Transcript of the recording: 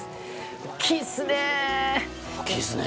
大きいですね！